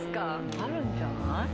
あるんじゃない？